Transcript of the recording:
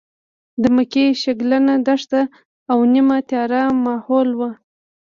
د مکې شګلنه دښته او نیمه تیاره ماحول و.